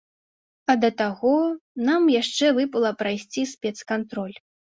А да таго нам яшчэ выпала прайсці спецкантроль.